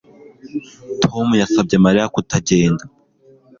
Tom yasabye Mariya kutagenda